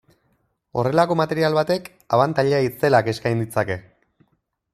Horrelako material batek abantaila itzelak eskain ditzake.